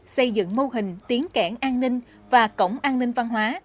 xây dựng mô hình tiếng kẻng an ninh và cổng an ninh văn hóa